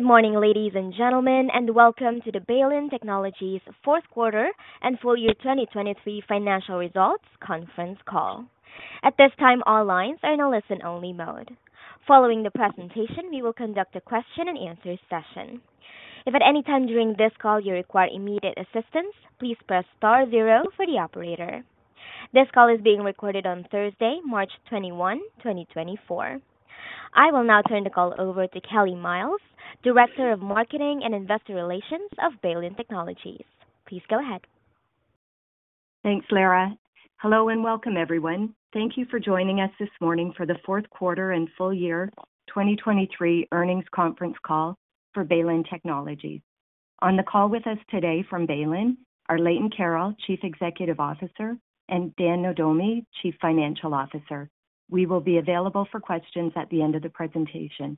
Good morning, ladies and gentlemen, and welcome to the Baylin Technologies Fourth Quarter and Full Year 2023 Financial Results Conference Call. At this time, all lines are in a listen-only mode. Following the presentation, we will conduct a question-and-answer session. If at any time during this call you require immediate assistance, please press star zero for the operator. This call is being recorded on Thursday, March 21, 2024. I will now turn the call over to Kellie Myles, Director of Marketing and Investor Relations of Baylin Technologies. Please go ahead. Thanks, Lara. Hello, and welcome, everyone. Thank you for joining us this morning for the Fourth Quarter and Full Year 2023 Earnings Conference Call for Baylin Technologies. On the call with us today from Baylin are Leighton Carroll, Chief Executive Officer, and Dan Nohdomi, Chief Financial Officer. We will be available for questions at the end of the presentation.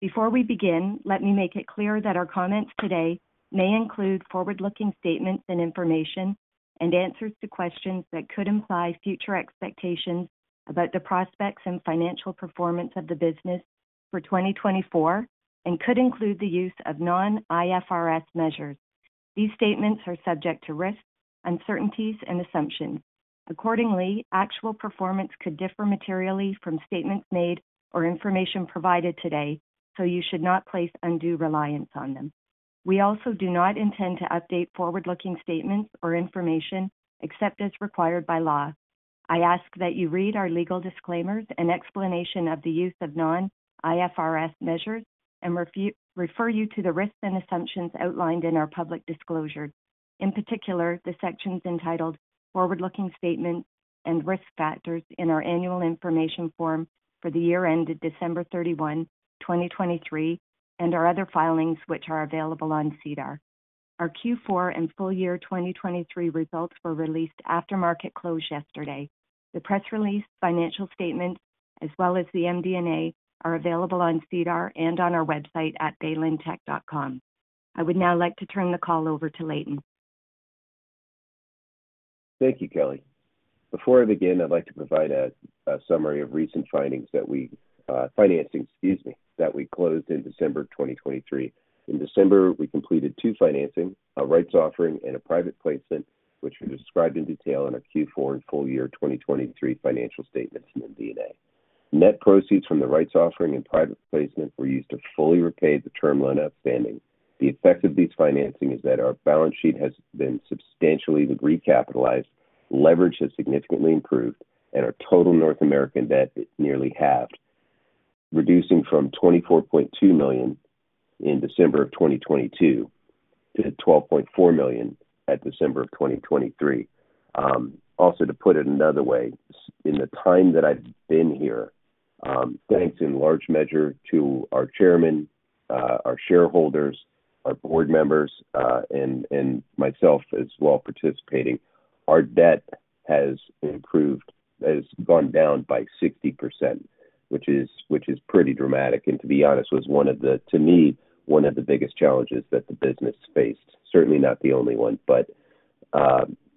Before we begin, let me make it clear that our comments today may include forward-looking statements and information and answers to questions that could imply future expectations about the prospects and financial performance of the business for 2024 and could include the use of non-IFRS measures. These statements are subject to risks, uncertainties and assumptions. Accordingly, actual performance could differ materially from statements made or information provided today, so you should not place undue reliance on them. We also do not intend to update forward-looking statements or information except as required by law. I ask that you read our legal disclaimers and explanation of the use of non-IFRS measures and refer you to the risks and assumptions outlined in our public disclosure. In particular, the sections entitled Forward-Looking Statements and Risk Factors in our annual information form for the year ended December 31, 2023, and our other filings, which are available on SEDAR. Our Q4 and full year 2023 results were released after market close yesterday. The press release, financial statements, as well as the MD&A, are available on SEDAR and on our website at baylintech.com. I would now like to turn the call over to Leighton. Thank you, Kellie. Before I begin, I'd like to provide a summary of recent financing, excuse me, that we closed in December 2023. In December, we completed two financings, a rights offering and a private placement, which were described in detail in our Q4 and full year 2023 financial statements and MD&A. Net proceeds from the rights offering and private placement were used to fully repay the term loan outstanding. The effect of these financing is that our balance sheet has been substantially recapitalized, leverage has significantly improved, and our total North American debt is nearly halved, reducing from 24.2 million in December of 2022 to 12.4 million at December of 2023. Also, to put it another way, in the time that I've been here, thanks in large measure to our chairman, our shareholders, our board members, and myself as well, participating, our debt has improved, has gone down by 60%, which is pretty dramatic, and to be honest, was one of the, to me, one of the biggest challenges that the business faced. Certainly not the only one, but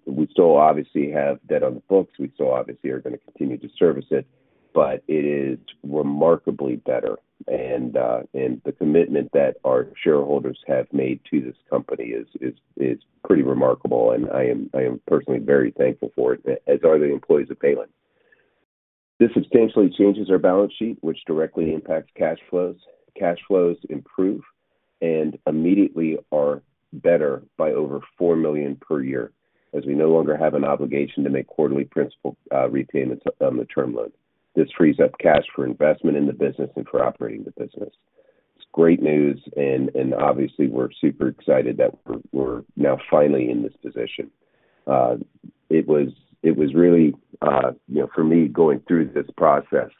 we still obviously have debt on the books. We still obviously are going to continue to service it, but it is remarkably better. And the commitment that our shareholders have made to this company is pretty remarkable, and I am personally very thankful for it, as are the employees of Baylin. This substantially changes our balance sheet, which directly impacts cash flows. Cash flows improve and immediately are better by over 4 million per year, as we no longer have an obligation to make quarterly principal repayments on the term loan. This frees up cash for investment in the business and for operating the business. It's great news, and obviously we're super excited that we're now finally in this position. It was, it was really, you know, for me, going through this process,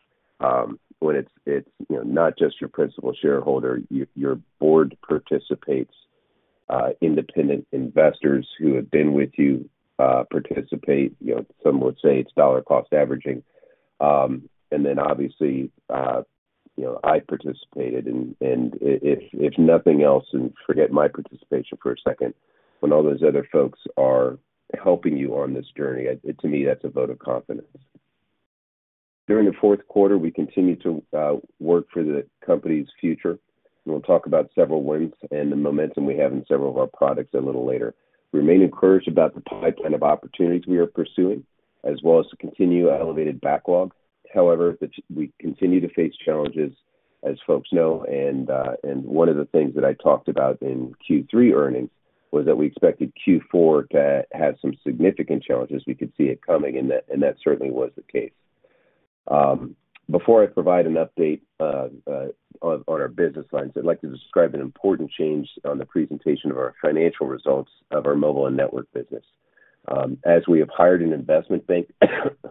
when it's, it's, you know, not just your principal shareholder, your board participates, independent investors who have been with you participate. You know, some would say it's dollar cost averaging. And then obviously, you know, I participated, and if, if nothing else, and forget my participation for a second, when all those other folks are helping you on this journey, to me, that's a vote of confidence. During the fourth quarter, we continued to work for the company's future, and we'll talk about several wins and the momentum we have in several of our products a little later. We remain encouraged about the pipeline of opportunities we are pursuing, as well as to continue our elevated backlog. However, we continue to face challenges, as folks know, and one of the things that I talked about in Q3 Earnings was that we expected Q4 to have some significant challenges. We could see it coming, and that certainly was the case. Before I provide an update on our business lines, I'd like to describe an important change on the presentation of our financial results of our Mobile and Network business. As we have hired an investment bank,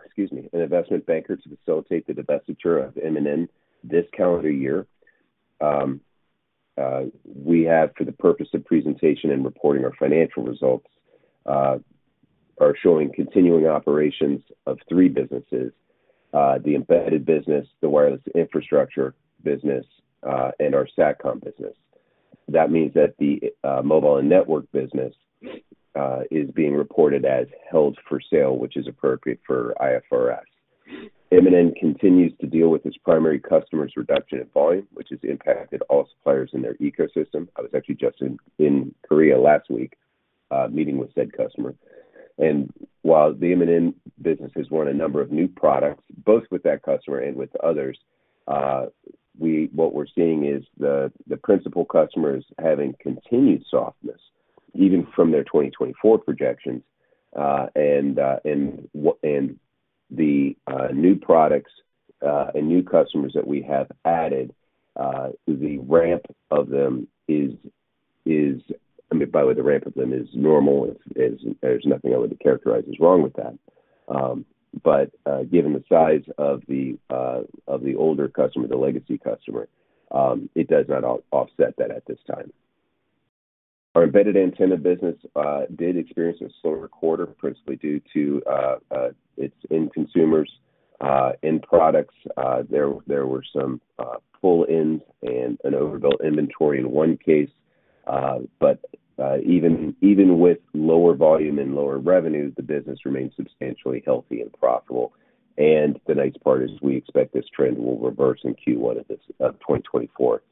excuse me, an investment banker to facilitate the divestiture of M&N this calendar year, we have, for the purpose of presentation and reporting our financial results, are showing continuing operations of three businesses: the Embedded business, the Wireless Infrastructure business, and our Satcom business. That means that the mobile and network business is being reported as held for sale, which is appropriate for IFRS. M&N continues to deal with its primary customer's reduction in volume, which has impacted all suppliers in their ecosystem. I was actually just in Korea last week, meeting with said customer. While the M&N business has won a number of new products, both with that customer and with others, what we're seeing is the principal customers having continued softness, even from their 2024 projections. The new products and new customers that we have added, the ramp of them is, I mean, by the way, the ramp of them is normal. It's, there's nothing I would characterize is wrong with that. But given the size of the older customer, the legacy customer, it does not offset that at this time. Our Embedded Antenna business did experience a slower quarter, principally due to its end consumers, end products. There were some pull-ins and an overbuilt inventory in one case. But even with lower volume and lower revenue, the business remains substantially healthy and profitable. And the nice part is, we expect this trend will reverse in Q1 of this 2024.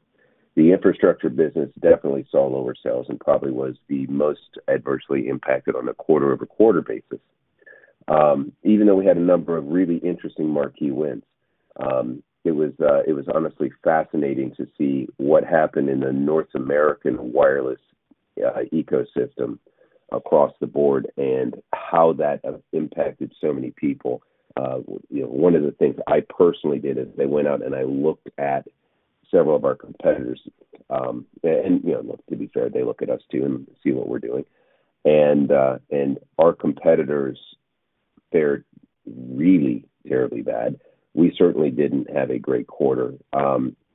The infrastructure business definitely saw lower sales and probably was the most adversely impacted on a quarter-over-quarter basis. Even though we had a number of really interesting marquee wins, it was honestly fascinating to see what happened in the North American wireless ecosystem across the board and how that has impacted so many people. You know, one of the things I personally did is I went out and I looked at several of our competitors. You know, to be fair, they look at us, too, and see what we're doing. And our competitors, they're really terribly bad. We certainly didn't have a great quarter.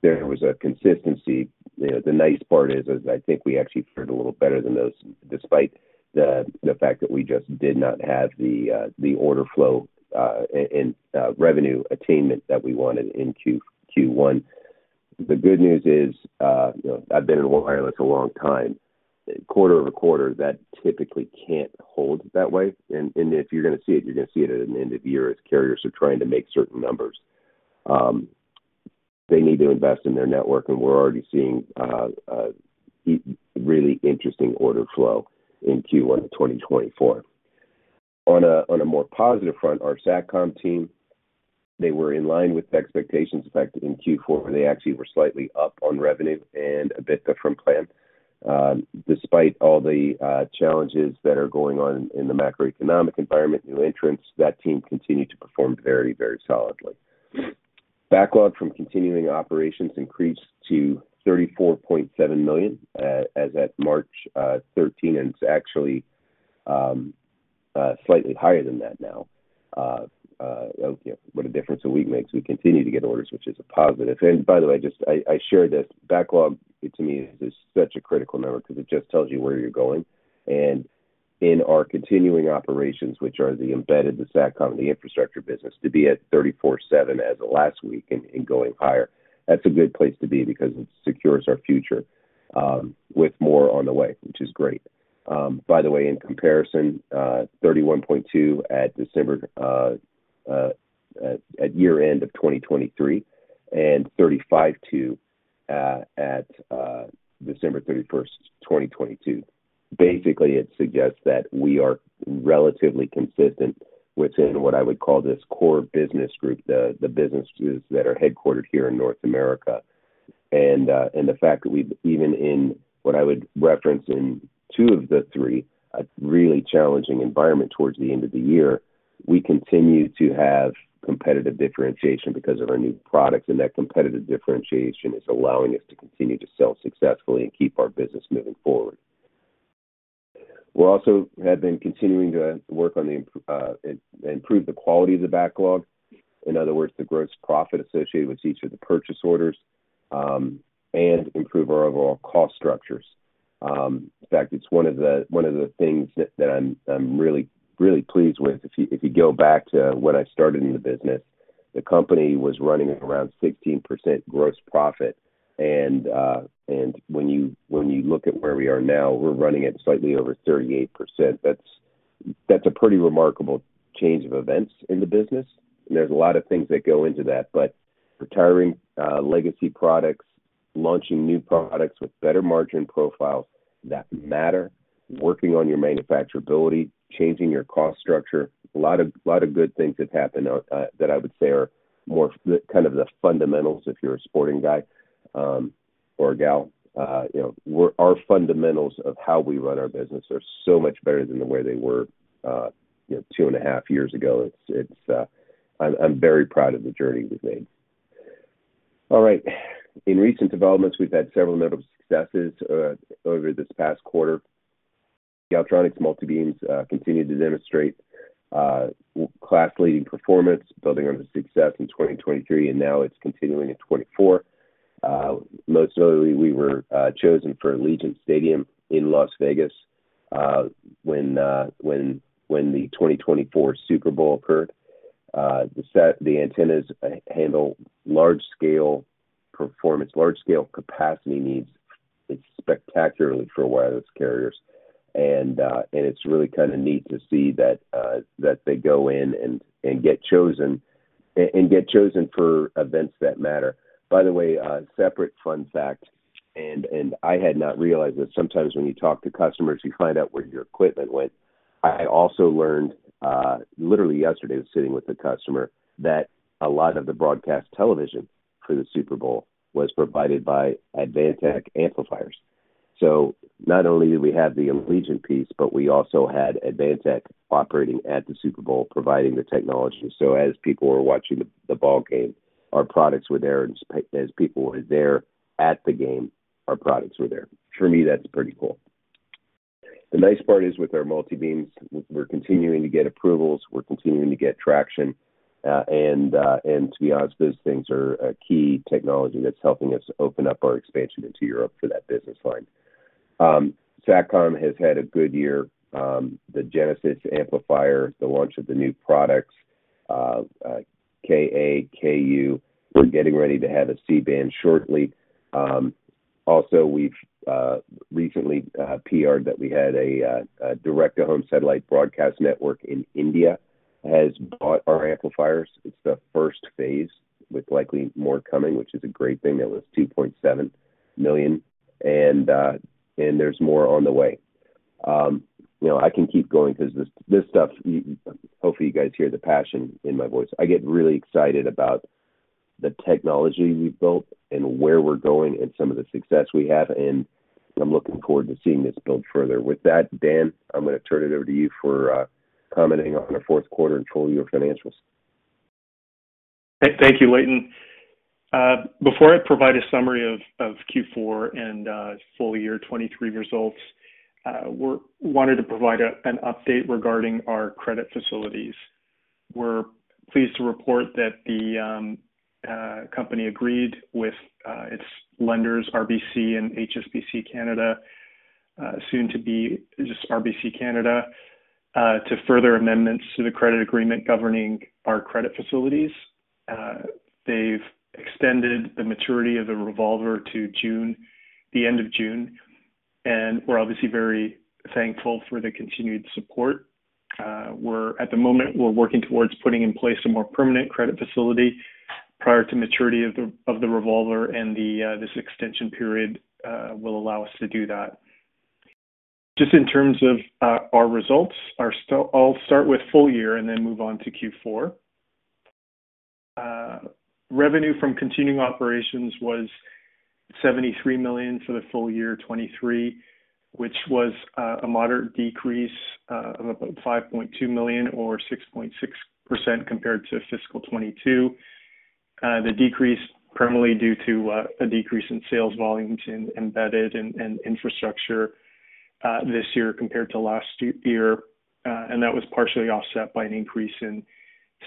There was a consistency. You know, the nice part is, I think we actually fared a little better than those, despite the fact that we just did not have the order flow in revenue attainment that we wanted in Q1. The good news is, you know, I've been in wireless a long time. Quarter-over-quarter, that typically can't hold that way. And if you're gonna see it, you're gonna see it at an end-of-year, as carriers are trying to make certain numbers. They need to invest in their network, and we're already seeing a really interesting order flow in Q1 of 2024. On a more positive front, our Satcom team, they were in line with expectations. In fact, in Q4, they actually were slightly up on revenue and EBITDA from plan. Despite all the challenges that are going on in the macroeconomic environment, new entrants, that team continued to perform very, very solidly. Backlog from continuing operations increased to 34.7 million as at March 13, and it's actually slightly higher than that now. You know, what a difference a week makes. We continue to get orders, which is a positive. And by the way, just I share this, backlog, to me, is such a critical number because it just tells you where you're going. In our continuing operations, which are the Embedded, the Satcom, the infrastructure business, to be at 34.7 million as of last week and going higher, that's a good place to be because it secures our future, with more on the way, which is great. By the way, in comparison, 31.2 million at December year end of 2023, and 35.2 million at December 31st, 2022. Basically, it suggests that we are relatively consistent within what I would call this core business group, the businesses that are headquartered here in North America. And the fact that we've even in what I would reference in two of the three, a really challenging environment towards the end of the year, we continue to have competitive differentiation because of our new products, and that competitive differentiation is allowing us to continue to sell successfully and keep our business moving forward. We're also have been continuing to work on the improve the quality of the backlog, in other words, the gross profit associated with each of the purchase orders, and improve our overall cost structures. In fact, it's one of the things that I'm really pleased with. If you go back to when I started in the business, the company was running at around 16% gross profit, and when you look at where we are now, we're running at slightly over 38%. That's a pretty remarkable change of events in the business. There's a lot of things that go into that, but retiring legacy products, launching new products with better margin profiles that matter, working on your manufacturability, changing your cost structure. A lot of good things have happened that I would say are more kind of the fundamentals if you're a sporting guy or a gal. You know, our fundamentals of how we run our business are so much better than the way they were, you know, two and a half years ago. It's... I'm very proud of the journey we've made. All right. In recent developments, we've had several notable successes over this past quarter. The Galtronics Multibeam continued to demonstrate class-leading performance, building on the success in 2023, and now it's continuing in 2024. Most notably, we were chosen for Allegiant Stadium in Las Vegas when the 2024 Super Bowl occurred. The set, the antennas handle large scale performance, large scale capacity needs. It's spectacular for wireless carriers, and it's really kind of neat to see that they go in and get chosen for events that matter. By the way, a separate fun fact, and I had not realized that sometimes when you talk to customers, you find out where your equipment went. I also learned, literally yesterday, I was sitting with a customer, that a lot of the broadcast television for the Super Bowl was provided by Advantech amplifiers. So not only did we have the Allegiant piece, but we also had Advantech operating at the Super Bowl, providing the technology. So as people were watching the ball game, our products were there, and as people were there at the game, our products were there. For me, that's pretty cool. The nice part is, with our multi-beams, we're continuing to get approvals, we're continuing to get traction, and to be honest, those things are a key technology that's helping us open up our expansion into Europe for that business line. Satcom has had a good year. The Genesis amplifier, the launch of the new products, Ka, Ku. We're getting ready to have a C-band shortly. Also, we've recently PR'd that we had a direct-to-home satellite broadcast network in India has bought our amplifiers. It's the first phase, with likely more coming, which is a great thing. That was 2.7 million, and there's more on the way. You know, I can keep going because this, this stuff, hopefully you guys hear the passion in my voice. I get really excited about the technology we've built and where we're going and some of the success we have, and I'm looking forward to seeing this build further. With that, Dan, I'm gonna turn it over to you for commenting on the fourth quarter and full year financials. Thank you, Leighton. Before I provide a summary of Q4 and Full Year 2023 results, we wanted to provide an update regarding our credit facilities. We're pleased to report that the company agreed with its lenders, RBC and HSBC Canada, soon to be just RBC Canada, to further amendments to the credit agreement governing our credit facilities. They've extended the maturity of the revolver to June, the end of June, and we're obviously very thankful for the continued support. At the moment, we're working towards putting in place a more permanent credit facility prior to maturity of the revolver, and this extension period will allow us to do that. Just in terms of our results, I'll start with full year and then move on to Q4. Revenue from continuing operations was 73 million for the Full Year 2023, which was a moderate decrease of about 5.2 million or 6.6% compared to fiscal 2022. The decrease primarily due to a decrease in sales volumes in Embedded and Infrastructure this year compared to last year. And that was partially offset by an increase in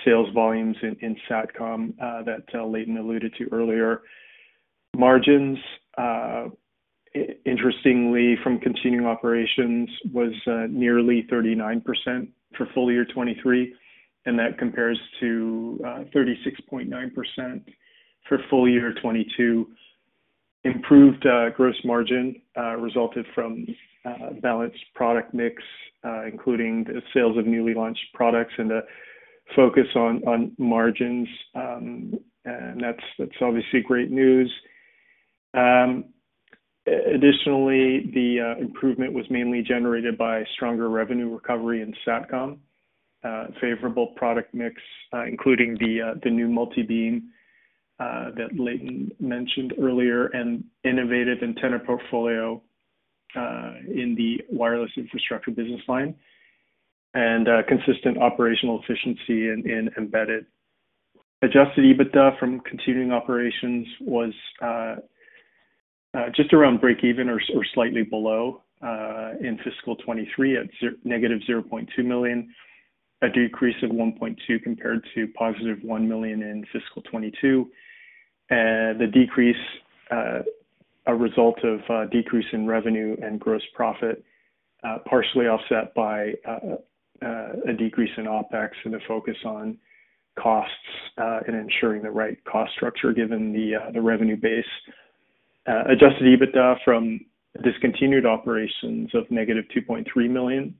sales volumes in Satcom that Leighton alluded to earlier. Margins interestingly from continuing operations was nearly 39% for Full Year 2023, and that compares to 36.9% for Full Year 2022. Improved gross margin resulted from balanced product mix, including the sales of newly launched products and a focus on margins. And that's obviously great news. Additionally, the improvement was mainly generated by stronger revenue recovery in Satcom, favorable product mix, including the new Multibeam that Leighton mentioned earlier, and innovative antenna portfolio in the Wireless Infrastructure business line, and consistent operational efficiency in Embedded. Adjusted EBITDA from continuing operations was just around break even or slightly below in Fiscal 2023 at -0.2 million, a decrease of 1.2 compared to +1 million in Fiscal 2022. The decrease a result of decrease in revenue and gross profit, partially offset by a decrease in OpEx and a focus on costs, and ensuring the right cost structure given the revenue base. Adjusted EBITDA from discontinued operations of -2.3 million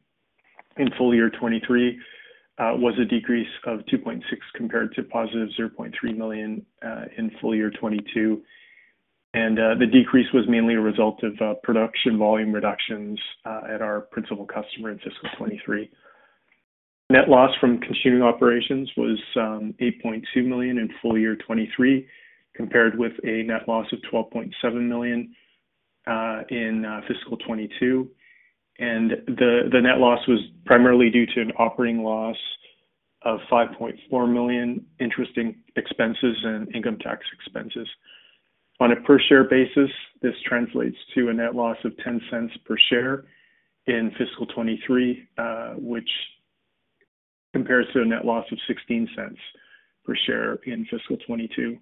in Full Year 2023 was a decrease of 2.6 million compared to positive 0.3 million in Full Year 2022. The decrease was mainly a result of production volume reductions at our principal customer in Fiscal 2023. Net loss from continuing operations was 8.2 million in Full Year 2023, compared with a net loss of 12.7 million in fiscal 2022. The net loss was primarily due to an operating loss of 5.4 million, interest expenses and income tax expenses. On a per share basis, this translates to a net loss of 0.10 per share in Fiscal 2023, which compares to a net loss of 0.16 per share in Fiscal 2022.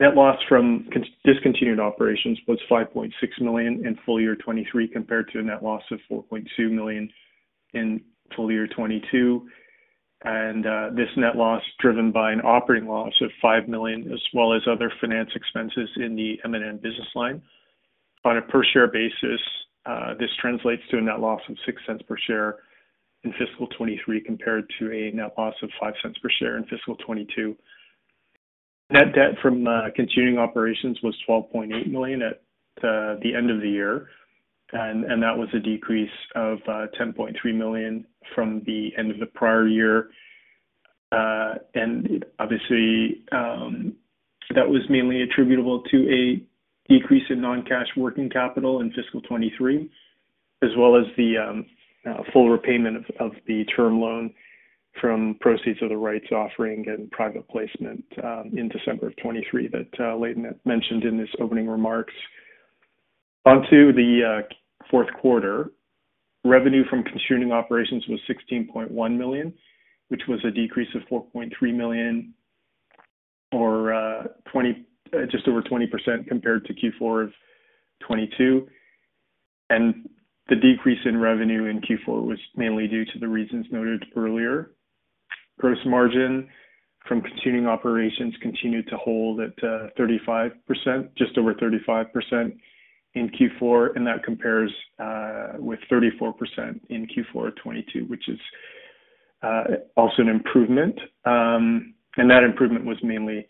Net loss from discontinued operations was 5.6 million in Full Year 2023, compared to a net loss of 4.2 million in Full Year 2022. This net loss driven by an operating loss of 5 million, as well as other finance expenses in the M&N business line. On a per share basis, this translates to a net loss of 0.06 per share in Fiscal 2023, compared to a net loss of 0.05 per share in Fiscal 2022. Net debt from continuing operations was 12.8 million at the end of the year, and that was a decrease of 10.3 million from the end of the prior year. And obviously, that was mainly attributable to a decrease in non-cash working capital in Fiscal 2023, as well as the full repayment of the term loan from proceeds of the rights offering and private placement in December 2023 that Leighton had mentioned in his opening remarks. Onto the fourth quarter. Revenue from continuing operations was 16.1 million, which was a decrease of 4.3 million or 20%, just over 20% compared to Q4 of 2022. And the decrease in revenue in Q4 was mainly due to the reasons noted earlier. Gross margin from continuing operations continued to hold at 35%, just over 35% in Q4, and that compares with 34% in Q4 of 2022, which is also an improvement. And that improvement was mainly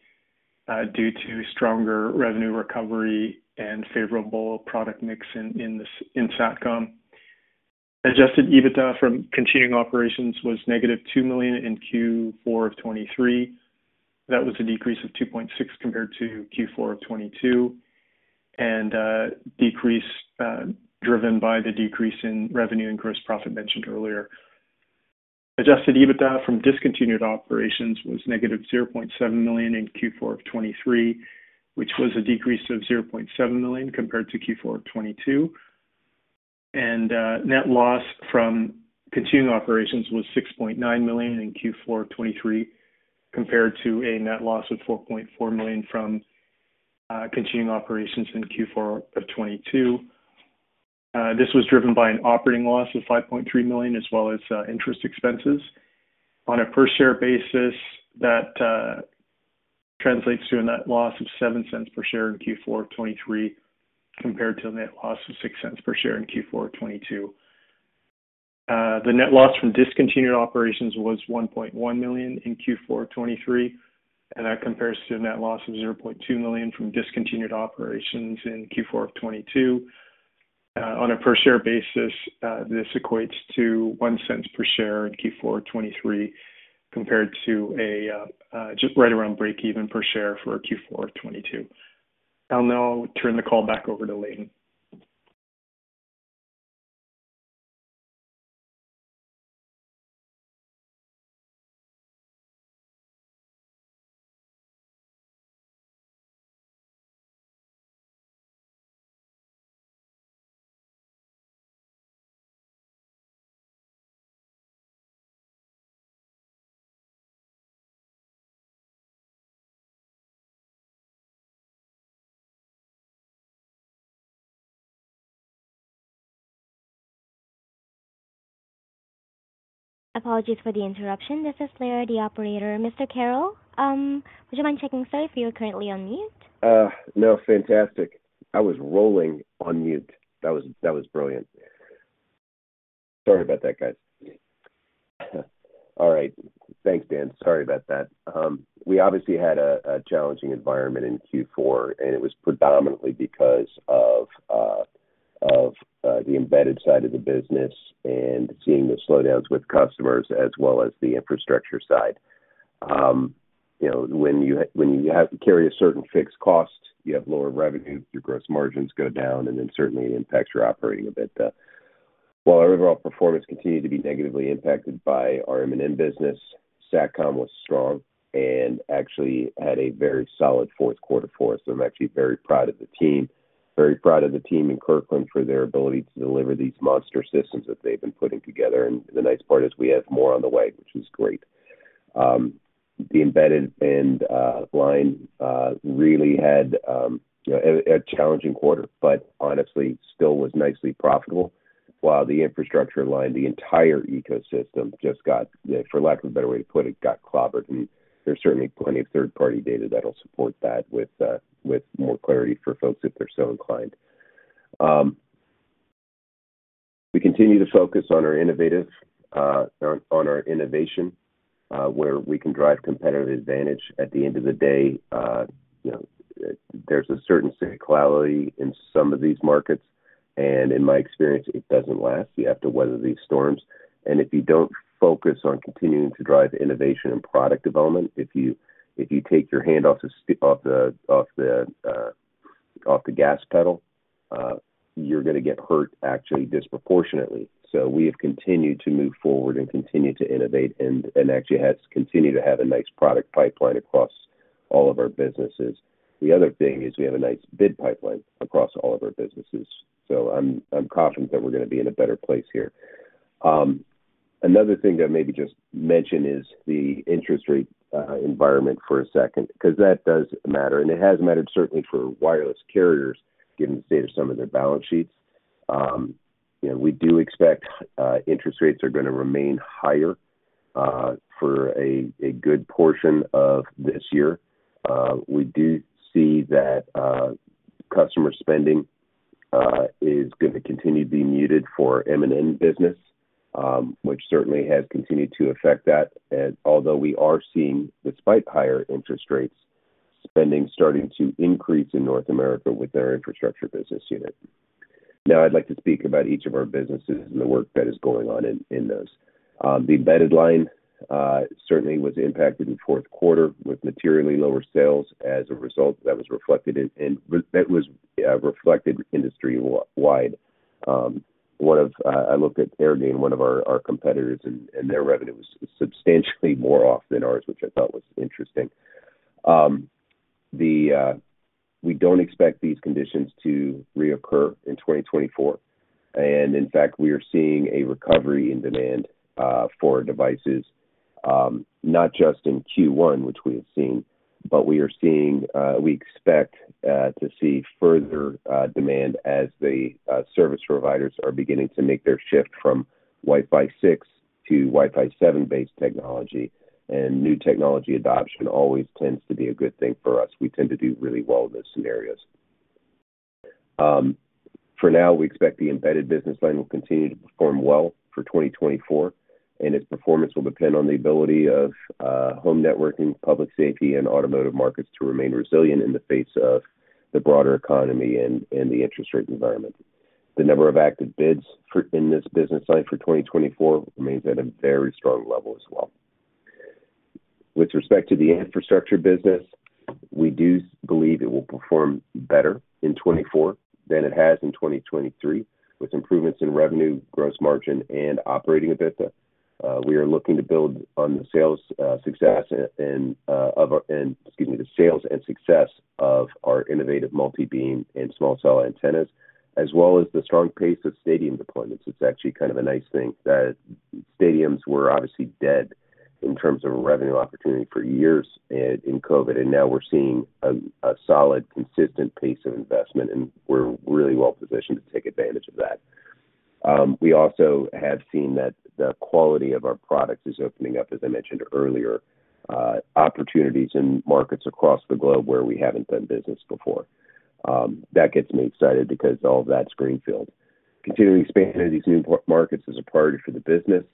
due to stronger revenue recovery and favorable product mix in Satcom. Adjusted EBITDA from continuing operations was -2 million in Q4 of 2023. That was a decrease of 2.6 million compared to Q4 of 2022, and decrease driven by the decrease in revenue and gross profit mentioned earlier. Adjusted EBITDA from discontinued operations was -0.7 million in Q4 of 2023, which was a decrease of 0.7 million compared to Q4 of 2022. Net loss from continuing operations was 6.9 million in Q4 of 2023, compared to a net loss of 4.4 million from continuing operations in Q4 of 2022. This was driven by an operating loss of 5.3 million, as well as interest expenses. On a per share basis, that translates to a net loss of 0.07 per share in Q4 of 2023, compared to a net loss of 0.06 per share in Q4 of 2022. The net loss from discontinued operations was 1.1 million in Q4 of 2023, and that compares to a net loss of 0.2 million from discontinued operations in Q4 of 2022. On a per share basis, this equates to 0.01 per share in Q4 of 2023, compared to just right around breakeven per share for Q4 of 2022. I'll now turn the call back over to Leighton. Apologies for the interruption. This is Lara, the operator. Mr. Carroll, would you mind checking, sir, if you're currently on mute? No, fantastic. I was rolling on mute. That was, that was brilliant. Sorry about that, guys. All right. Thanks, Dan. Sorry about that. We obviously had a challenging environment in Q4, and it was predominantly because of the Embedded side of the business and seeing the slowdowns with customers as well as the infrastructure side. You know, when you, when you have to carry a certain fixed cost, you have lower revenue, your gross margins go down, and then certainly it impacts your operating a bit. While our overall performance continued to be negatively impacted by our M&N business, Satcom was strong and actually had a very solid fourth quarter for us. I'm actually very proud of the team, very proud of the team in Kirkland for their ability to deliver these monster systems that they've been putting together, and the nice part is we have more on the way, which is great. The Embedded Antenna line really had a challenging quarter, but honestly still was nicely profitable, while the Wireless Infrastructure line, the entire ecosystem, just got, for lack of a better way to put it, got clobbered, and there's certainly plenty of third-party data that'll support that with more clarity for folks if they're so inclined. We continue to focus on our innovative, on our innovation, where we can drive competitive advantage at the end of the day. You know, there's a certain cyclicality in some of these markets, and in my experience, it doesn't last. You have to weather these storms, and if you don't focus on continuing to drive innovation and product development, if you take your hand off the gas pedal, you're gonna get hurt actually disproportionately. So we have continued to move forward and continued to innovate and actually has continued to have a nice product pipeline across all of our businesses. The other thing is we have a nice bid pipeline across all of our businesses, so I'm confident that we're gonna be in a better place here. Another thing to maybe just mention is the interest rate environment for a second, because that does matter, and it has mattered certainly for wireless carriers, given the state of some of their balance sheets. We do expect interest rates are gonna remain higher for a good portion of this year. We do see that customer spending is gonna continue to be muted for M&N business, which certainly has continued to affect that. Although we are seeing, despite higher interest rates, spending starting to increase in North America with our infrastructure business unit. Now, I'd like to speak about each of our businesses and the work that is going on in those. The Embedded line certainly was impacted in fourth quarter with materially lower sales as a result. That was reflected industry-wide. I looked at Airgain, one of our competitors, and their revenue was substantially more off than ours, which I thought was interesting. We don't expect these conditions to reoccur in 2024. In fact, we are seeing a recovery in demand for devices, not just in Q1, which we have seen, but we are seeing—we expect to see further demand as the service providers are beginning to make their shift from Wi-Fi 6 to Wi-Fi 7-based technology, and new technology adoption always tends to be a good thing for us. We tend to do really well in those scenarios. For now, we expect the Embedded business line will continue to perform well for 2024, and its performance will depend on the ability of home networking, public safety, and automotive markets to remain resilient in the face of the broader economy and the interest rate environment. The number of active bids for in this business line for 2024 remains at a very strong level as well. With respect to the infrastructure business, we do believe it will perform better in 2024 than it has in 2023, with improvements in revenue, gross margin, and Operating EBITDA. We are looking to build on the sales success and excuse me, the sales and success of our innovative multi-beam and small cell antennas, as well as the strong pace of stadium deployments. It's actually kind of a nice thing that stadiums were obviously dead in terms of revenue opportunity for years in COVID, and now we're seeing a solid, consistent pace of investment, and we're really well positioned to take advantage of that. We also have seen that the quality of our products is opening up, as I mentioned earlier, opportunities in markets across the globe where we haven't done business before. That gets me excited because all of that's greenfield. Continuing to expand into these new markets is a priority for the business,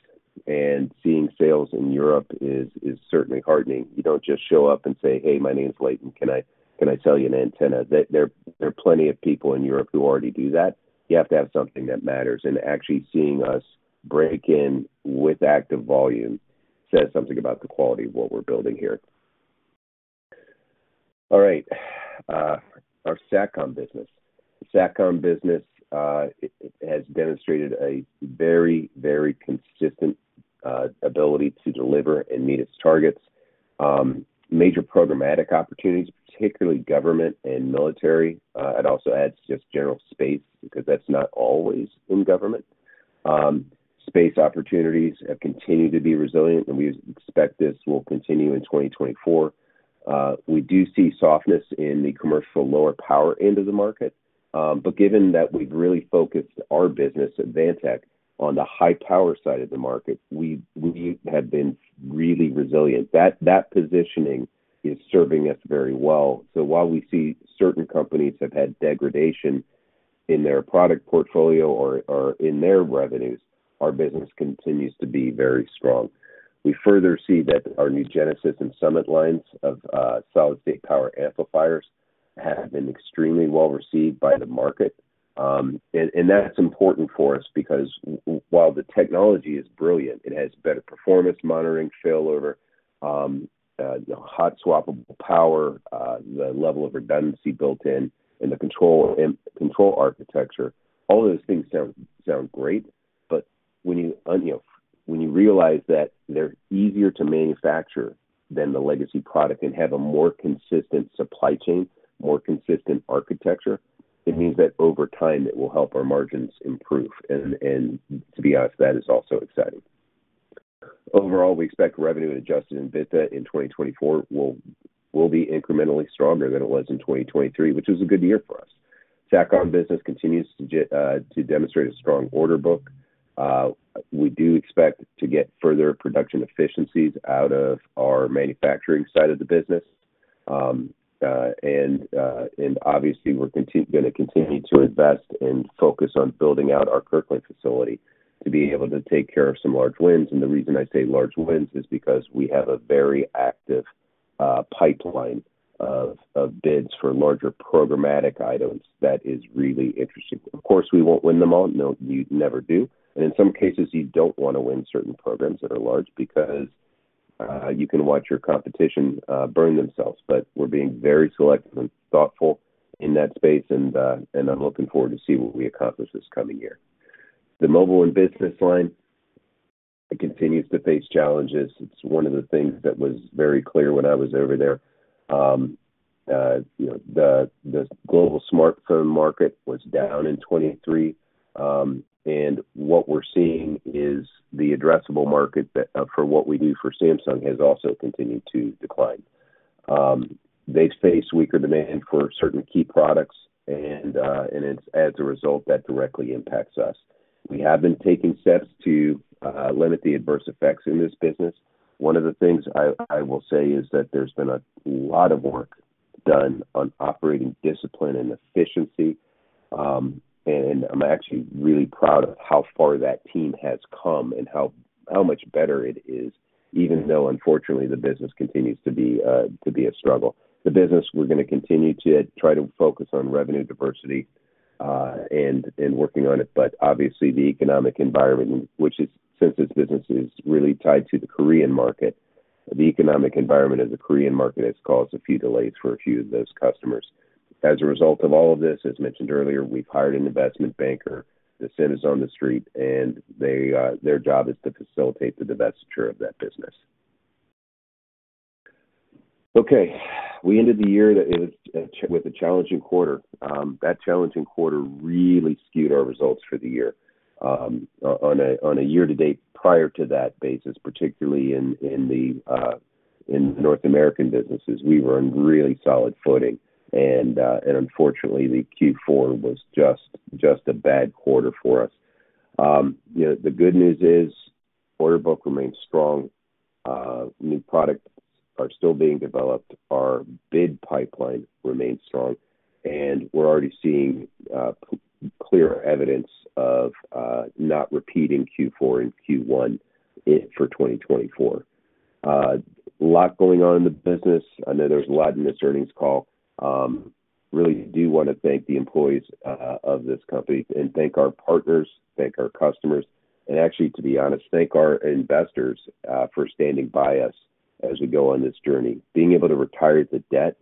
and seeing sales in Europe is certainly heartening. You don't just show up and say, "Hey, my name is Leighton. Can I sell you an antenna?" There are plenty of people in Europe who already do that. You have to have something that matters, and actually seeing us break in with active volume says something about the quality of what we're building here. All right, our Satcom business. The Satcom business has demonstrated a very, very consistent ability to deliver and meet its targets. Major programmatic opportunities, particularly government and military. It also adds just general space, because that's not always in government. Space opportunities have continued to be resilient, and we expect this will continue in 2024. We do see softness in the commercial lower power end of the market, but given that we've really focused our business at Advantech on the high power side of the market, we, we have been really resilient. That, that positioning is serving us very well. So while we see certain companies have had degradation in their product portfolio or, or in their revenues, our business continues to be very strong. We further see that our new Genesis and Summit lines of solid-state power amplifiers have been extremely well received by the market. And, and that's important for us because while the technology is brilliant, it has better performance monitoring, failover, you know, hot swappable power, the level of redundancy built in, and the control architecture. All of those things sound great, but when you, you know, when you realize that they're easier to manufacture than the legacy product and have a more consistent supply chain, more consistent architecture, it means that over time, it will help our margins improve. And to be honest, that is also exciting. Overall, we expect revenue and Adjusted EBITDA in 2024 will be incrementally stronger than it was in 2023, which was a good year for us. Satcom business continues to demonstrate a strong order book. We do expect to get further production efficiencies out of our manufacturing side of the business. Obviously, we're gonna continue to invest and focus on building out our Kirkland facility to be able to take care of some large wins. The reason I say large wins is because we have a very active pipeline of bids for larger programmatic items that is really interesting. Of course, we won't win them all. No, you never do. In some cases, you don't want to win certain programs that are large because you can watch your competition burn themselves. But we're being very selective and thoughtful in that space, and I'm looking forward to see what we accomplish this coming year. The Mobile and Network business line, it continues to face challenges. It's one of the things that was very clear when I was over there. You know, the global smartphone market was down in 2023. And what we're seeing is the addressable market that for what we do for Samsung has also continued to decline. They face weaker demand for certain key products, and it's as a result that directly impacts us. We have been taking steps to limit the adverse effects in this business. One of the things I will say is that there's been a lot of work done on operating discipline and efficiency, and I'm actually really proud of how far that team has come and how much better it is, even though unfortunately, the business continues to be a struggle. The business, we're gonna continue to try to focus on revenue diversity, and working on it. But obviously, the economic environment, which is, since this business is really tied to the Korean market, the economic environment of the Korean market has caused a few delays for a few of those customers. As a result of all of this, as mentioned earlier, we've hired an investment banker. The CIM is on the street, and they, their job is to facilitate the divestiture of that business. Okay, we ended the year that was with a challenging quarter. That challenging quarter really skewed our results for the year. On a, on a year-to-date prior to that basis, particularly in, in the, in North American businesses, we were on really solid footing, and, and unfortunately, the Q4 was just, just a bad quarter for us. You know, the good news is, order book remains strong, new products are still being developed, our bid pipeline remains strong, and we're already seeing clear evidence of not repeating Q4 and Q1 for 2024. A lot going on in the business. I know there's a lot in this earnings call. Really do want to thank the employees of this company and thank our partners, thank our customers, and actually, to be honest, thank our investors for standing by us as we go on this journey. Being able to retire the debt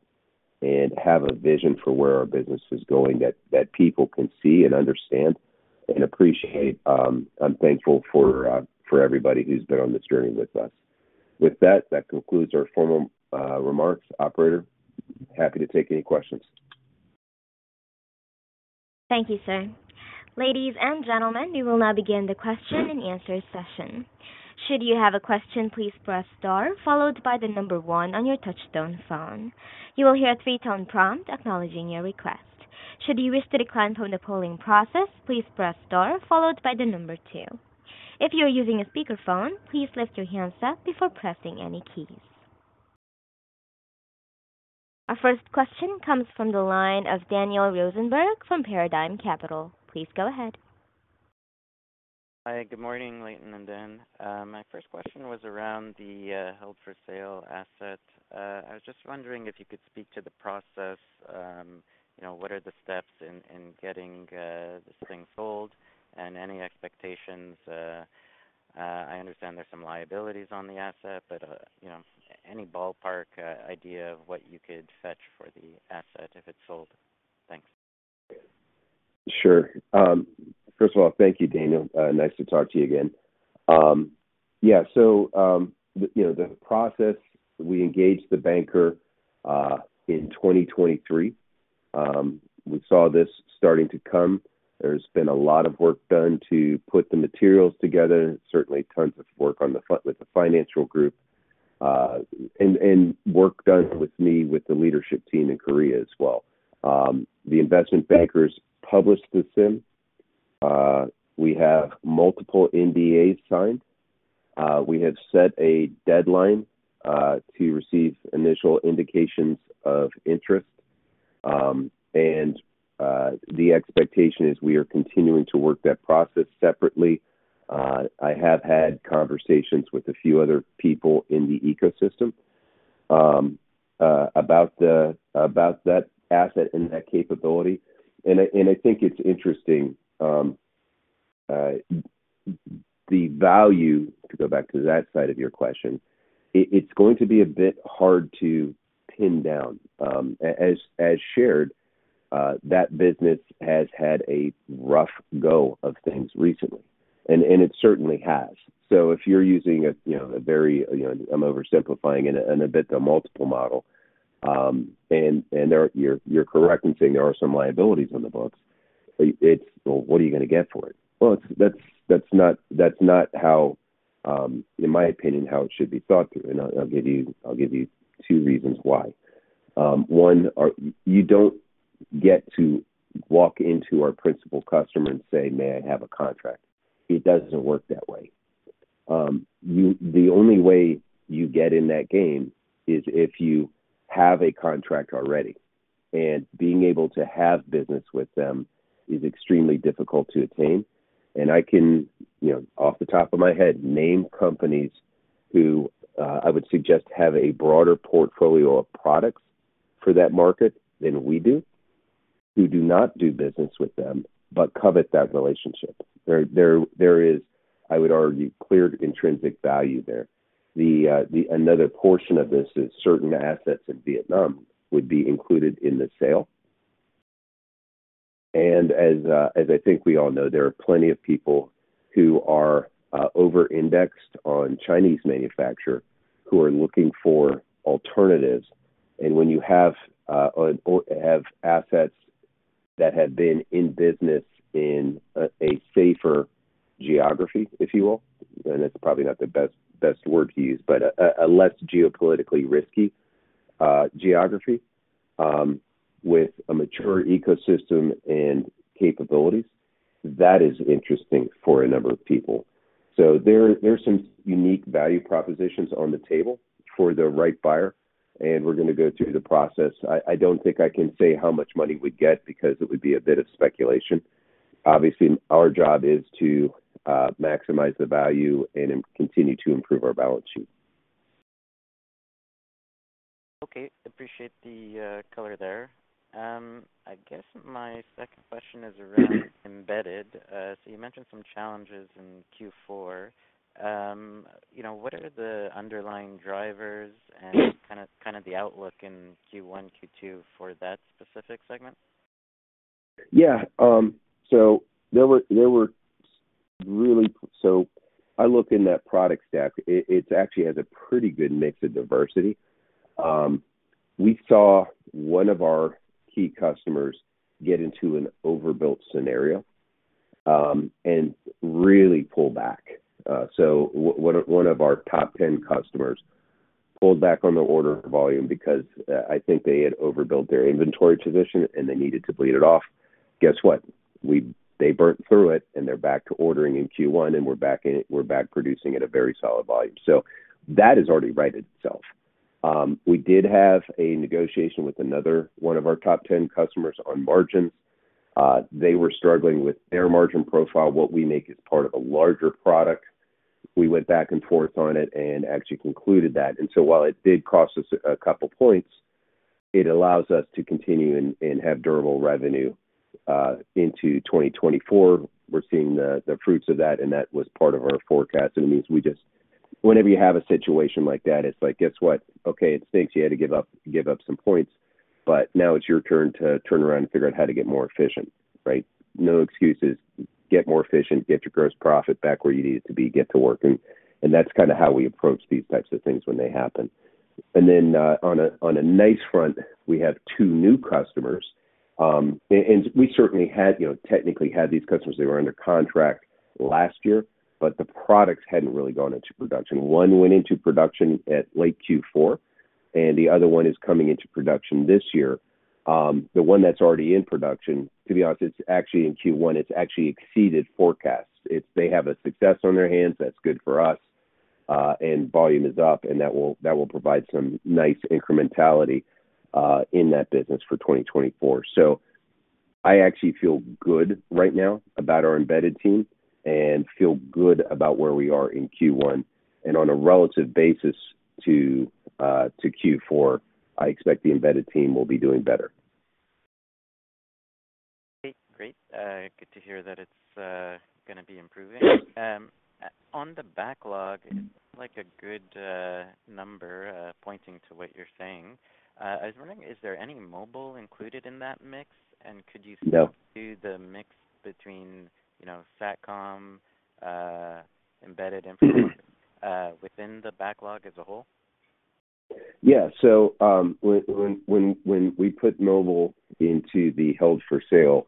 and have a vision for where our business is going, that, that people can see and understand and appreciate, I'm thankful for for everybody who's been on this journey with us. With that, that concludes our formal remarks. Operator, happy to take any questions. Thank you, sir. Ladies and gentlemen, we will now begin the question and answer session. Should you have a question, please press star, followed by the number one on your touchtone phone. You will hear a three-tone prompt acknowledging your request. Should you wish to decline from the polling process, please press star followed by the number two. If you are using a speakerphone, please lift your handset before pressing any keys. Our first question comes from the line of Daniel Rosenberg from Paradigm Capital. Please go ahead. Hi, good morning, Leighton and Dan. My first question was around the held-for-sale asset. I was just wondering if you could speak to the process, you know, what are the steps in getting this thing sold and any expectations. I understand there's some liabilities on the asset, but, you know, any ballpark idea of what you could fetch for the asset if it's sold? Thanks. Sure. First of all, thank you, Daniel. Nice to talk to you again. Yeah, so, you know, the process, we engaged the banker in 2023. We saw this starting to come. There's been a lot of work done to put the materials together, certainly tons of work with the financial group, and work done with me, with the leadership team in Korea as well. The investment bankers published the CIM. We have multiple NDAs signed. We have set a deadline to receive initial indications of interest, and the expectation is we are continuing to work that process separately. I have had conversations with a few other people in the ecosystem about that asset and that capability. I think it's interesting, the value, to go back to that side of your question, it's going to be a bit hard to pin down. As shared, that business has had a rough go of things recently, and it certainly has. So if you're using a you know a very you know I'm oversimplifying it and a bit the multiple model, and you're correct in saying there are some liabilities on the books. It's. Well, what are you gonna get for it? Well, that's not how, in my opinion, how it should be thought through, and I'll give you two reasons why. One, you don't get to walk into our principal customer and say, "May I have a contract?" It doesn't work that way. You—the only way you get in that game is if you have a contract already, and being able to have business with them is extremely difficult to attain. And I can, you know, off the top of my head, name companies who I would suggest have a broader portfolio of products for that market than we do, who do not do business with them, but covet that relationship. There is, I would argue, clear intrinsic value there. The other portion of this is certain assets in Vietnam would be included in the sale. And as I think we all know, there are plenty of people who are over-indexed on Chinese manufacturer, who are looking for alternatives. When you have or have assets that have been in business in a safer geography, if you will, and that's probably not the best, best word to use, but a less geopolitically risky geography with a mature ecosystem and capabilities, that is interesting for a number of people. So there are some unique value propositions on the table for the right buyer, and we're going to go through the process. I don't think I can say how much money we'd get because it would be a bit of speculation. Obviously, our job is to maximize the value and continue to improve our balance sheet. Okay, appreciate the, color there. I guess my second question is around Embedded. So you mentioned some challenges in Q4. You know, what are the underlying drivers and kind of, kind of the outlook in Q1, Q2 for that specific segment? Yeah. So I look in that product stack, it, it's actually has a pretty good mix of diversity. We saw one of our key customers get into an overbuilt scenario, and really pull back. So one of our top 10 customers pulled back on the order volume because I think they had overbuilt their inventory position, and they needed to bleed it off. Guess what? They burnt through it, and they're back to ordering in Q1, and we're back producing at a very solid volume. So that is already righted itself. We did have a negotiation with another one of our top 10 customers on margins. They were struggling with their margin profile. What we make is part of a larger product. We went back and forth on it and actually concluded that. So while it did cost us a couple points, it allows us to continue and have durable revenue into 2024. We're seeing the fruits of that, and that was part of our forecast. It means we just... Whenever you have a situation like that, it's like, guess what? Okay, it stinks you had to give up some points, but now it's your turn to turn around and figure out how to get more efficient, right? No excuses. Get more efficient, get your gross profit back where you need it to be, get to work, and that's kind of how we approach these types of things when they happen. Then, on a nice front, we have two new customers and we certainly had, you know, technically had these customers. They were under contract last year, but the products hadn't really gone into production. One went into production at late Q4, and the other one is coming into production this year. The one that's already in production, to be honest, it's actually in Q1. It's actually exceeded forecasts. They have a success on their hands, that's good for us, and volume is up, and that will, that will provide some nice incrementality in that business for 2024. So I actually feel good right now about our Embedded team and feel good about where we are in Q1. And on a relative basis to, to Q4, I expect the Embedded team will be doing better. Great. Good to hear that it's gonna be improving. On the backlog, it's like a good number pointing to what you're saying. I was wondering, is there any mobile included in that mix? And could you- No. see the mix between, you know, Satcom, Embedded Infrastructure, within the backlog as a whole? Yeah. So, when we put mobile into the held for sale,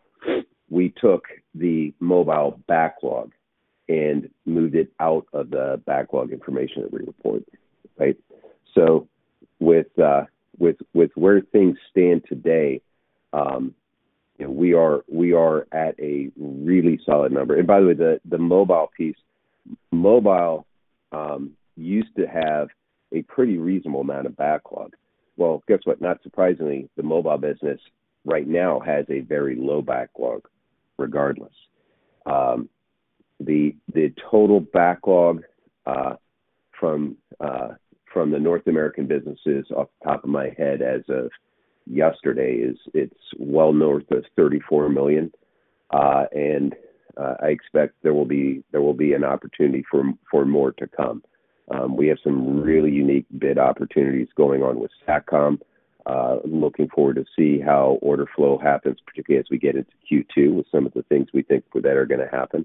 we took the mobile backlog and moved it out of the backlog information that we report, right? So with where things stand today, you know, we are at a really solid number. And by the way, the mobile piece, mobile used to have a pretty reasonable amount of backlog. Well, guess what? Not surprisingly, the mobile business right now has a very low backlog, regardless. The total backlog from the North American businesses, off the top of my head as of yesterday, is. It's well north of 34 million. And I expect there will be an opportunity for more to come. We have some really unique bid opportunities going on with Satcom. Looking forward to see how order flow happens, particularly as we get into Q2 with some of the things we think that are going to happen.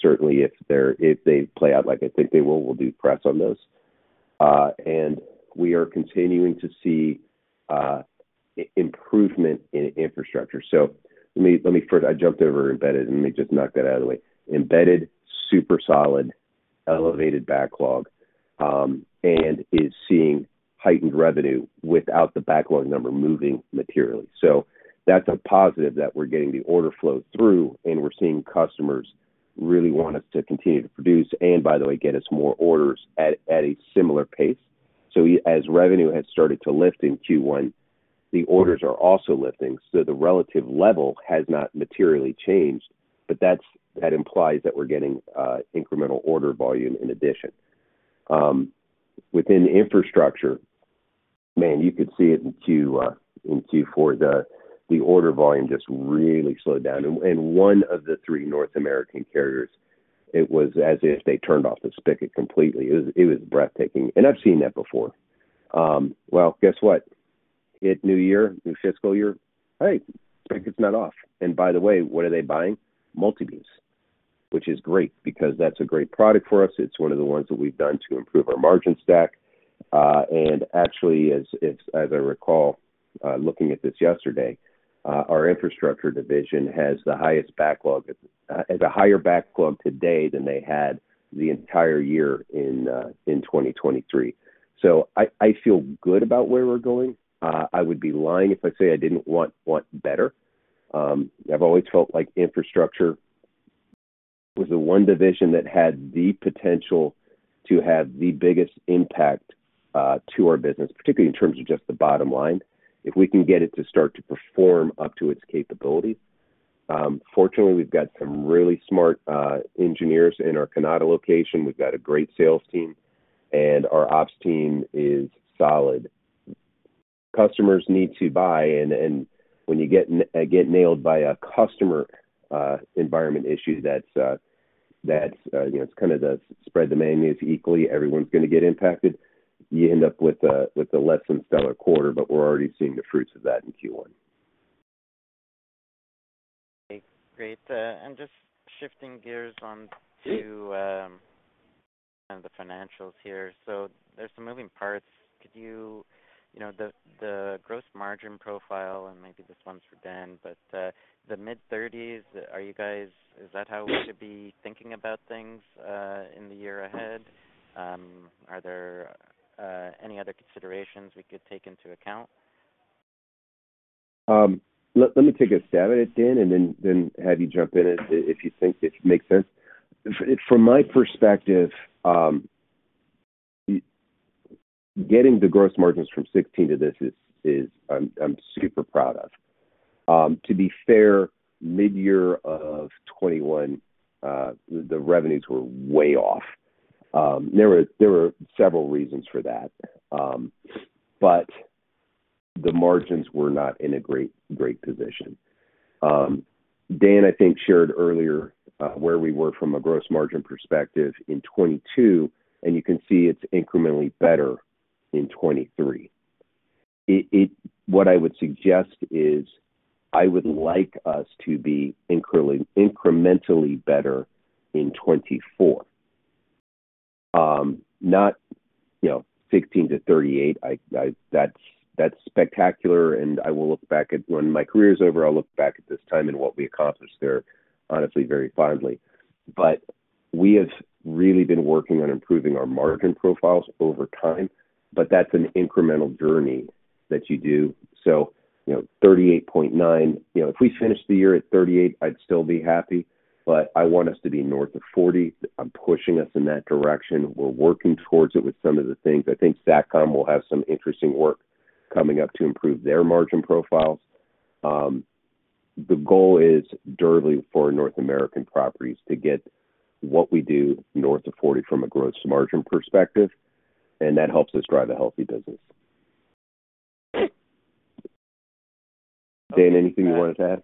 Certainly if they play out like I think they will, we'll do press on those. And we are continuing to see improvement in infrastructure. So let me first... I jumped over Embedded. Let me just knock that out of the way. Embedded, super solid, elevated backlog, and is seeing heightened revenue without the backlog number moving materially. So that's a positive that we're getting the order flow through, and we're seeing customers really want us to continue to produce, and by the way, get us more orders at a similar pace. So as revenue has started to lift in Q1, the orders are also lifting, so the relative level has not materially changed, but that implies that we're getting incremental order volume in addition. Within Infrastructure, man, you could see it in Q4, the order volume just really slowed down. And one of the three North American carriers, it was as if they turned off the spigot completely. It was breathtaking, and I've seen that before. Well, guess what? It's new year, new fiscal year, right? It gets turned off. And by the way, what are they buying? Multibeams, which is great because that's a great product for us. It's one of the ones that we've done to improve our margin stack. And actually, as I recall, looking at this yesterday, our Infrastructure division has the highest backlog, has a higher backlog today than they had the entire year in 2023. So I feel good about where we're going. I would be lying if I say I didn't want better. I've always felt like Infrastructure was the one division that had the potential to have the biggest impact to our business, particularly in terms of just the bottom line, if we can get it to start to perform up to its capability. Fortunately, we've got some really smart engineers in our Kanata location. We've got a great sales team, and our ops team is solid. Customers need to buy, and when you get nailed by a customer environmental issue, that's, you know, it's kinda spread the bad news equally. Everyone's gonna get impacted. You end up with a less than stellar quarter, but we're already seeing the fruits of that in Q1. Okay, great. And just shifting gears on to kind of the financials here. So there's some moving parts. Could you... You know, the gross margin profile, and maybe this one's for Dan, but the mid-thirties, are you guys-- is that how we should be thinking about things in the year ahead? Are there any other considerations we could take into account? Let me take a stab at it, Dan, and then have you jump in if you think it makes sense. From my perspective, getting the gross margins from 16 to this is. I'm super proud of. To be fair, mid-year of 2021, the revenues were way off. There were several reasons for that. But the margins were not in a great position. Dan, I think shared earlier where we were from a gross margin perspective in 2022, and you can see it's incrementally better in 2023. What I would suggest is, I would like us to be incredibly incrementally better in 2024. Not, you know, 16%-38%, I, that's spectacular, and I will look back at—when my career is over, I'll look back at this time and what we accomplished there, honestly, very fondly. But we have really been working on improving our margin profiles over time, but that's an incremental journey that you do. So, you know, 38.9%, you know, if we finish the year at 38%, I'd still be happy, but I want us to be north of 40%. I'm pushing us in that direction. We're working towards it with some of the things. I think Satcom will have some interesting work coming up to improve their margin profiles. The goal is durably for North American properties to get what we do north of 40% from a growth margin perspective, and that helps us drive a healthy business. Dan, anything you wanted to add?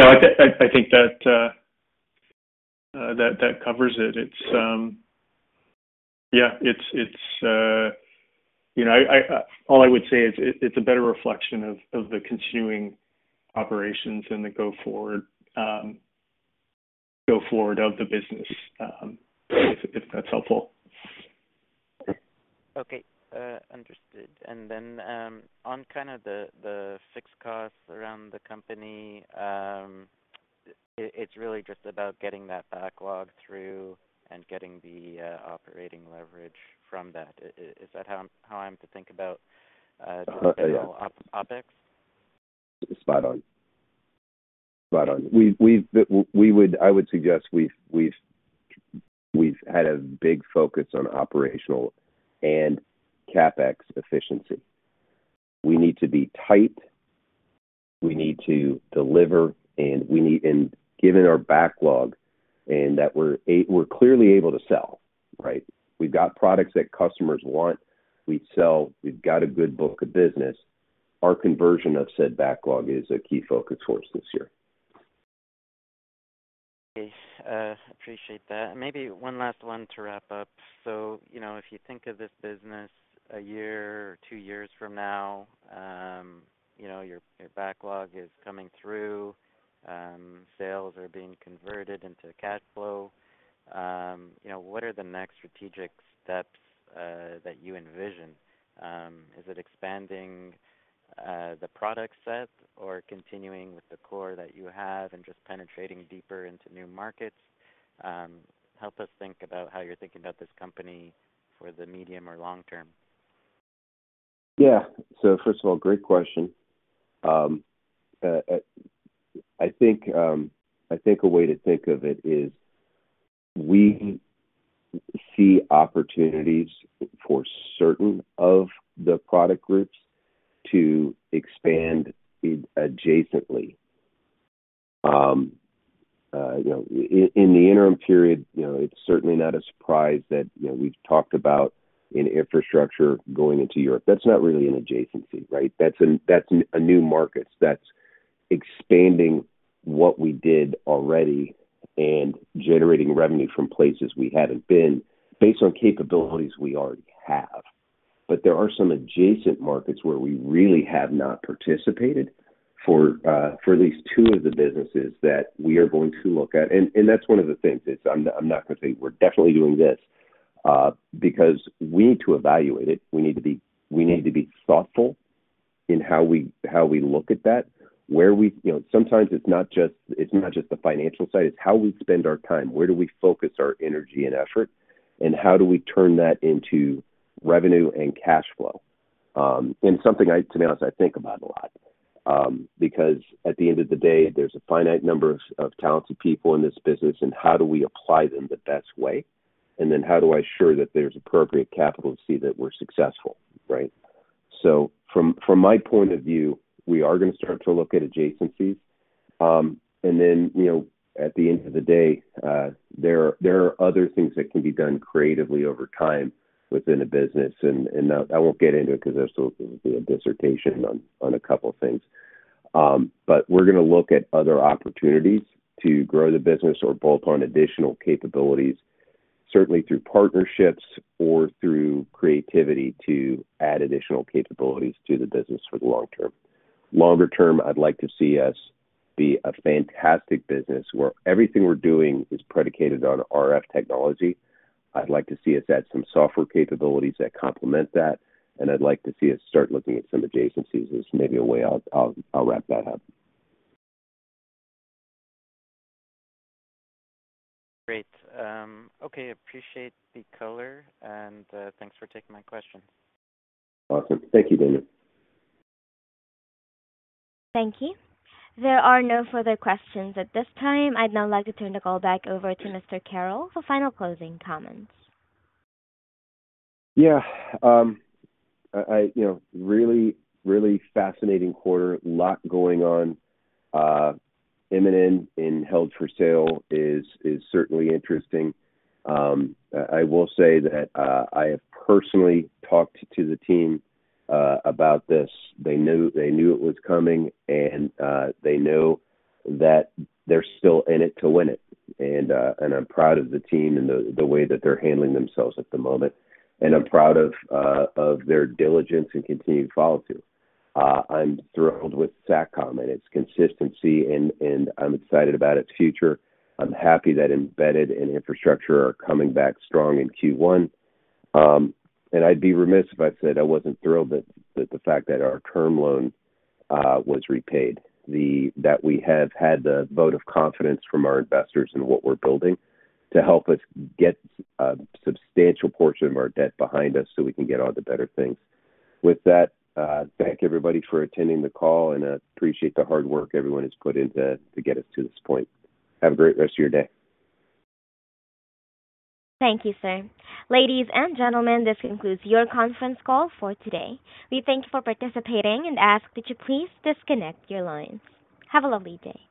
No, I think that covers it. It's... Yeah, it's, you know, all I would say is it's a better reflection of the continuing operations and the go forward of the business, if that's helpful. Okay, understood. And then, on kind of the fixed costs around the company, it's really just about getting that backlog through and getting the operating leverage from that. Is that how I'm to think about OpEx? Spot on. Spot on. I would suggest we've had a big focus on operational and CapEx efficiency. We need to be tight, we need to deliver, and given our backlog, and that we're clearly able to sell, right? We've got products that customers want. We sell, we've got a good book of business. Our conversion of said backlog is a key focus for us this year. Okay, appreciate that. Maybe one last one to wrap up. So, you know, if you think of this business a year or two years from now, you know, your, your backlog is coming through, sales are being converted into cash flow, you know, what are the next strategic steps that you envision? Is it expanding the product set or continuing with the core that you have and just penetrating deeper into new markets? Help us think about how you're thinking about this company for the medium or long term. Yeah. So first of all, great question. I think a way to think of it is, we see opportunities for certain of the product groups to expand adjacently. You know, in the interim period, you know, it's certainly not a surprise that, you know, we've talked about in Infrastructure going into Europe. That's not really an adjacency, right? That's a new market. That's expanding what we did already and generating revenue from places we hadn't been, based on capabilities we already have. But there are some adjacent markets where we really have not participated for at least two of the businesses that we are going to look at. And that's one of the things, it's I'm not gonna say we're definitely doing this because we need to evaluate it. We need to be thoughtful in how we look at that, where we. You know, sometimes it's not just the financial side, it's how we spend our time, where do we focus our energy and effort, and how do we turn that into revenue and cash flow? And something I, to be honest, I think about a lot, because at the end of the day, there's a finite number of talented people in this business, and how do we apply them the best way? And then how do I ensure that there's appropriate capital to see that we're successful, right? So from my point of view, we are gonna start to look at adjacencies. And then, you know, at the end of the day, there are other things that can be done creatively over time within a business, and I won't get into it because there's still be a dissertation on a couple of things. But we're gonna look at other opportunities to grow the business or bolt on additional capabilities, certainly through partnerships or through creativity to add additional capabilities to the business for the long term. Longer term, I'd like to see us be a fantastic business where everything we're doing is predicated on RF technology. I'd like to see us add some software capabilities that complement that, and I'd like to see us start looking at some adjacencies as maybe a way out. I'll wrap that up. Great. Okay, appreciate the color, and thanks for taking my question. Awesome. Thank you, David. Thank you. There are no further questions at this time. I'd now like to turn the call back over to Mr. Carroll for final closing comments. Yeah, you know, really fascinating quarter. A lot going on. M&N held for sale is certainly interesting. I will say that I have personally talked to the team about this. They knew it was coming, and they know that they're still in it to win it. And I'm proud of the team and the way that they're handling themselves at the moment. And I'm proud of their diligence and continued follow-through. I'm thrilled with Satcom and its consistency, and I'm excited about its future. I'm happy that Embedded and Infrastructure are coming back strong in Q1. And I'd be remiss if I said I wasn't thrilled that the fact that our term loan was repaid, that we have had the vote of confidence from our investors in what we're building to help us get a substantial portion of our debt behind us, so we can get on to better things. With that, thank everybody for attending the call, and I appreciate the hard work everyone has put in to get us to this point. Have a great rest of your day. Thank you, sir. Ladies and gentlemen, this concludes your conference call for today. We thank you for participating and ask that you please disconnect your lines. Have a lovely day.